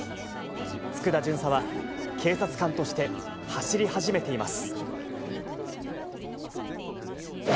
佃巡査は警察官として走り始めています。